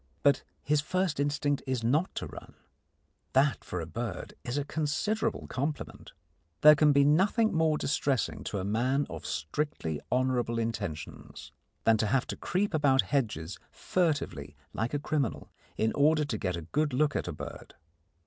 But his first instinct is not to run. That, for a bird, is a considerable compliment. There can be nothing more distressing to a man of strictly honourable intentions than to have to creep about hedges furtively like a criminal in order to get a good look at a bird.